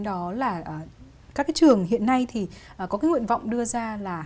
đó là các cái trường hiện nay thì có cái nguyện vọng đưa ra là